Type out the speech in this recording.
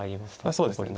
そうですね。